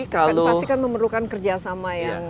pasti kan memerlukan kerja sama yang